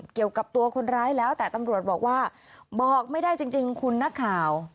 เกี่ยวกับตัวคนร้ายแล้วแต่ตำรวจบอกว่าบอกไม่ได้จริงคุณนักข่าว